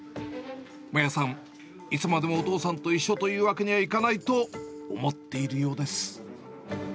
麻椰さん、いつまでもお父さんと一緒というわけにはいかないと思っているよ